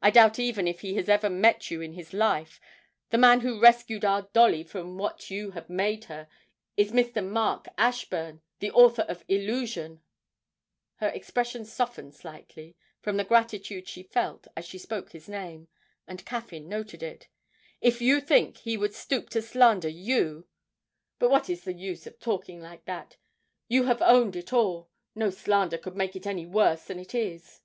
I doubt even if he has ever met you in his life; the man who rescued our Dolly from what you had made her is Mr. Mark Ashburn, the author of 'Illusion' (her expression softened slightly, from the gratitude she felt, as she spoke his name, and Caffyn noted it). 'If you think he would stoop to slander you But what is the use of talking like that? You have owned it all. No slander could make it any worse than it is!'